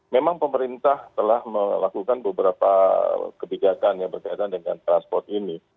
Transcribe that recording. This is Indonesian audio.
memang pemerintah telah melakukan beberapa kebijakan yang berkaitan dengan transport ini